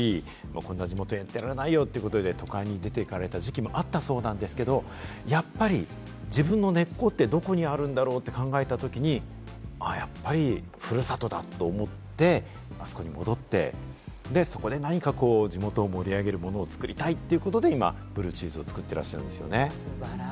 昔は江丹別って田舎だし、こんな地元やってられないよってことで都会に出て行かれた時期もあったそうなんですけれども、やっぱり自分の根っこって、どこにあるんだろうって考えたときに、やっぱりふるさとだと思って、あそこに戻ってそこで何か地元を盛り上げるものを作りたいということで、今ブルーチーズを作っていらっしゃるんですよね。